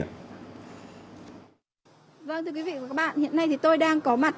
vâng thưa quý vị và các bạn hiện nay thì tôi đang có mặt